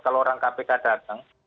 kalau orang kpk datang